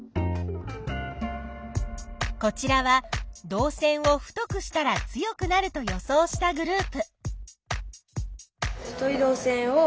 こちらは導線を太くしたら強くなると予想したグループ。